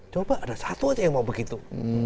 coba ada satu aja yang mau begitu